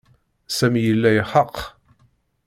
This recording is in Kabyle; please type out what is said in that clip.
Sami yella ixaq.